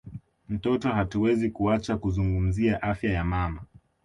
mtoto hatuwezi kuacha kuzungumzia afya ya mama